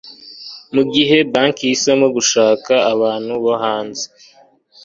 Mu gihe banki ihisemo gushaka abantu bo hanze